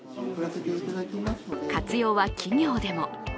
活用は企業でも。